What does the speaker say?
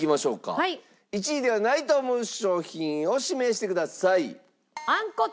１位ではないと思う商品を指名してください。